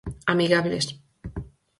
Amigables.